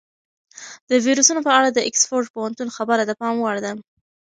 د ویروسونو په اړه د اکسفورډ پوهنتون خبره د پام وړ ده.